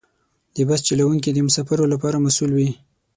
د بس چلوونکي د مسافرو لپاره مسؤل وي.